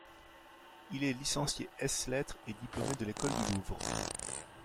Il est licencié ès lettres et diplômé de l'École du Louvre.